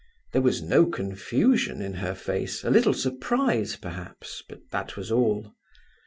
There was no confusion in her face; a little surprise, perhaps, but that was all.